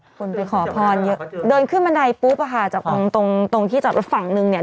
เดินไปขอพรเยอะเดินขึ้นบันไดปุ๊บค่ะตรงที่จากฝั่งหนึ่งเนี่ย